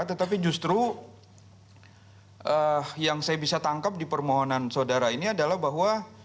tetapi justru yang saya bisa tangkap di permohonan saudara ini adalah bahwa